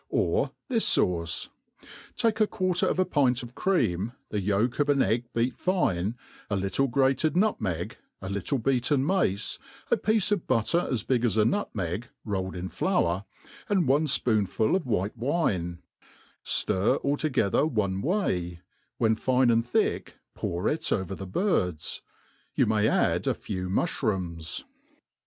Or this fauce : take a quarter of « pint of cream, the yolk of "an egg beat fine, a little grated nutmeg, a little beaten jnace, ft j>iece of butter as big as a nutmeg, rolled in flour, and one fpoonful of white wine; ftir all together one way, when fine and thick pour it over the birds. Ypu may add a few muflh rooms.